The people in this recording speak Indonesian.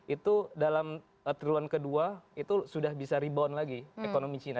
itu dalam triulang ke dua itu sudah bisa rebound lagi ekonomi cina